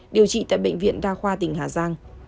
điều trị tại bệnh viện đa khoa tỉnh hà giang